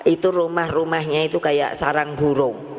itu rumah rumahnya itu kayak sarang burung